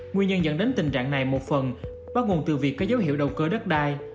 nguyên nhân dẫn đến tình trạng này một phần bắt nguồn từ việc có dấu hiệu đầu cơ đất đai